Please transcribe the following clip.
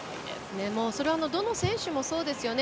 それはどの選手もそうですよね。